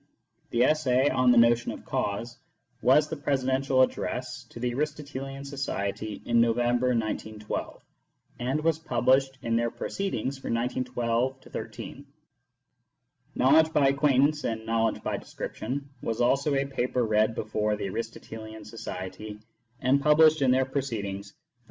The essay " On the Notion of Cause " was the presidential address to the Aristotelian Society in November, 1912, and was pub lished in their Proceedings for 1912 13. " Knowledge by Acquaintance and Knowledge by Description " was also a paper read before the Aristotelian Society, and pub lished in their Proceedings for 1910 11.